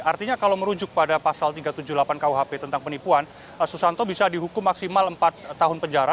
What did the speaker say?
artinya kalau merujuk pada pasal tiga ratus tujuh puluh delapan kuhp tentang penipuan susanto bisa dihukum maksimal empat tahun penjara